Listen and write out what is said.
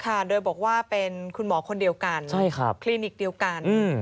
ค่ะโดยบอกว่าเป็นคุณหมอคนเดียวกันใช่ครับคลินิกเดียวกัน